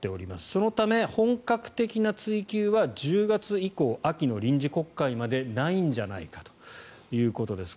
そのため本格的な追及は１０月以降秋の臨時国会までないんじゃないかということです。